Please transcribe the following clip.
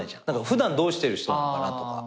普段どうしてる人なのかなとか。